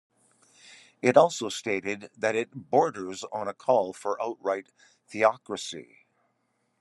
It also stated that it "borders on a call for outright theocracy".